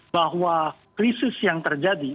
bahwa krisis yang terjadi